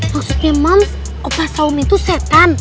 maksudnya mams opa saum itu setan